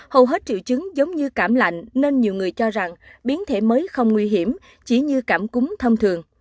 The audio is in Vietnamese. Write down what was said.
hầu hết triệu chứng giống như cảm lạnh nên nhiều người cho rằng biến thể mới không nguy hiểm chỉ như cảm cúm thông thường